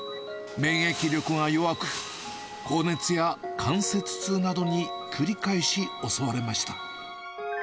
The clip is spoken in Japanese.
免疫力が弱く、高熱や関節痛などに繰り返し襲われました。